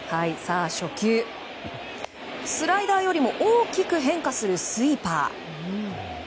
初球、スライダーよりも大きく変化するスイーパー。